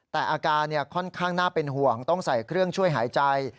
แต่อาการค่อนข้างน่าเป็นห่วงต้องใส่เครื่องช่วยหายใจ